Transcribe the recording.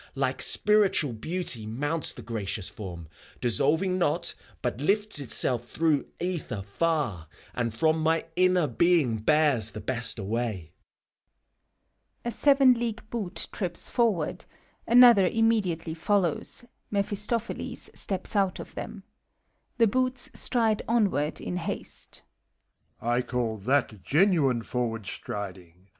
Like Spiritual Beauty mounts the gracious Form, Dissolving not, but lifts itself through ether far, And from my inner being bears the best away. {A SevenAeague hoot trips forward: another tmwe diately follows, Mephistopheles steps out of them. The Boots stride onward in haste,) MEPHISTOPHELES. I call that genuine forward striding!